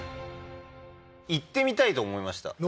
行ってみたいと思いました。